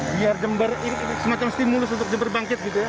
biar jember ini semacam stimulus untuk jember bangkit gitu ya